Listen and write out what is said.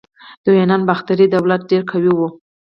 د یونانو باختري دولت ډیر قوي و